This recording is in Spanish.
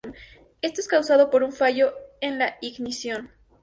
Esto es causado por un fallo en la ignición.